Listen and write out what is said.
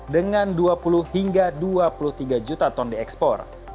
dengan dua puluh hingga dua puluh tiga juta ton diekspor